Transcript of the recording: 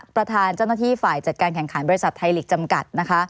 ประธานเจ้าหน้าที่ฝ่ายจัดการแข่งขันบริษัทไทยลีกจำกัดนะคะ